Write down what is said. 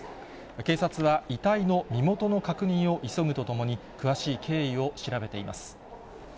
警察は、遺体の身元の確認を急ぐとともに、詳しい経緯を調べてい